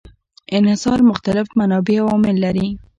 انحصار مختلف منابع او عوامل لري.